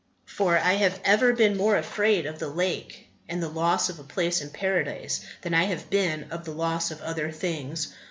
For I have ever been more afraid of the lake, and the loss of a place in Paradise, than I have been of the loss of other things.